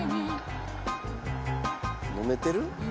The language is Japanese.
飲めてる？